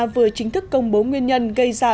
vừa chính thức công bố nguyên nhân gây ra